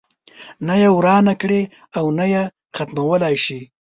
نه یې روانه کړې او نه یې ختمولای شي.